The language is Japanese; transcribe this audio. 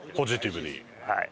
はい。